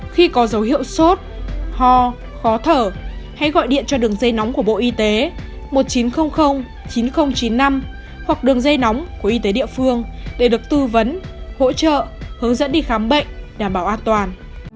khi có dấu hiệu sốt ho khó thở hãy gọi điện cho đường dây nóng của bộ y tế một nghìn chín trăm linh chín nghìn chín mươi năm hoặc đường dây nóng của y tế địa phương để được tư vấn hỗ trợ hướng dẫn đi khám bệnh đảm bảo an toàn